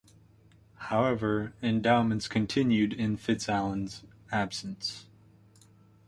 However, endowments continued in FitzAlan's absence.